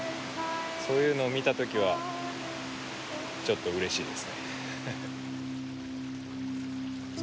そういうの見た時はちょっとうれしいですね。